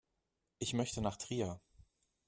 Ich möchte nach Trier